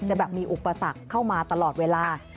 แบบมีอุปสรรคเข้ามาตลอดเวลา